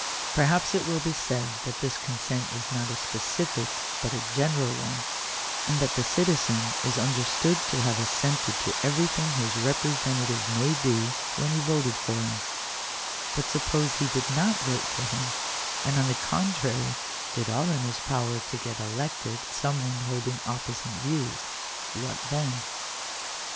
Perhaps it will be said that this consent is not a specific, but a general one, and that the citizen is understood to have assented to everything his repre sentative may do, when he voted for him. But suppose he did not p 2 Digitized by VjOOQIC 212 THE RIGHT TO IGNORE THE STATE. vote for him ; and on the contrary did all in his power to get elected some one holding opposite views — what then?